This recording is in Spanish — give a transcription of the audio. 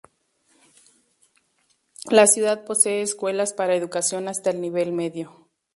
La ciudad posee escuelas para educación hasta el nivel medio.